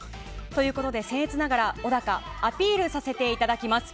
ということで僭越ながら小高アピールさせていただきます。